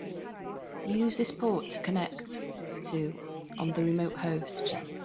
Use this port to connect to on the remote host.